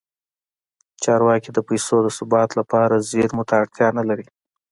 چارواکي د پیسو د ثبات لپاره زیرمو ته اړتیا نه لري.